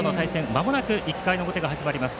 まもなく１回の表が始まります。